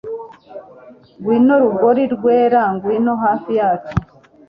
ngwino rugori rwera ngwino hafi yacu